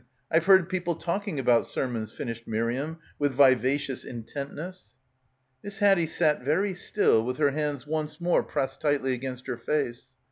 I've heard people talk ing about sermons," finished Miriam with viva cious intentness. Miss Haddie sat very still with her hands once more pressed tightly against her face.